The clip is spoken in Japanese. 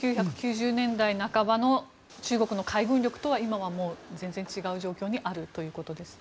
１９９０年代半ばの中国の海軍力と今はもう全然違う状況にあるということです。